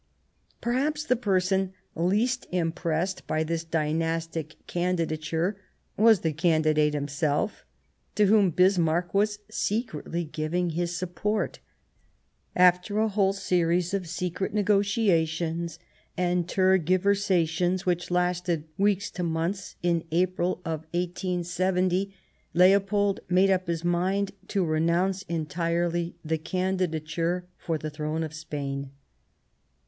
Perhaps the person least impressed by this dynastic candidature was the candidate himself, to whom Bismarck was secretly giving his support. After a whole series of secret negotiations and tergiversations which lasted weeks and months, in April 1870 Leopold made up his mind to renounce entirely the candidature for the throne of Spain.